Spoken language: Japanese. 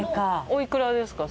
お幾らですか？